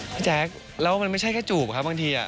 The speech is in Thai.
พี่แจ๊คแล้วมันไม่ใช่แค่จูบบางที